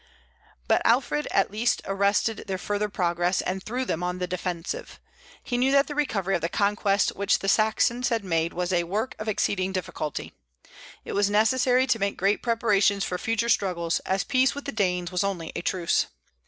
But Alfred at least arrested their further progress, and threw them on the defensive. He knew that the recovery of the conquests which the Saxons had made was a work of exceeding difficulty. It was necessary to make great preparations for future struggles, as peace with the Danes was only a truce.